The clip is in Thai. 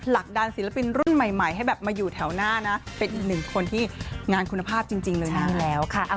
หลักดานศิลปินรุ่นใหม่ให้แบบมาอยู่แถวหน้านะเป็นอีกหนึ่งคนที่งานคุณภาพจริงเลยนะ